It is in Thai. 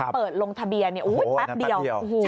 เปิดลงทะเบียนแป๊บเดียว